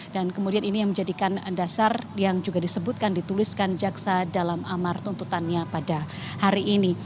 dan kemudian ini yang menjadikan dasar yang juga disebutkan dituliskan jaksa dalam amar tuntutannya pada hari ini